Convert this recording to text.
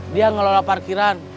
dia ngelola parkiran